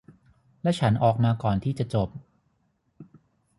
และฉันออกมาก่อนที่จะจบ